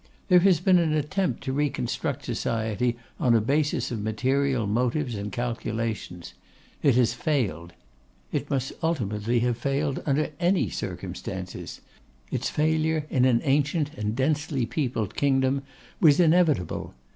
There has been an attempt to reconstruct society on a basis of material motives and calculations. It has failed. It must ultimately have failed under any circumstances; its failure in an ancient and densely peopled kingdom was inevitable.